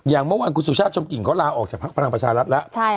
อย่างเมื่อวันคุณสุชาชมกิ่งเค้าราออกจากภาคพลังประชาระทะ